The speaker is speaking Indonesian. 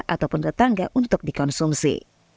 ataupun tetangga untuk dikonsumsi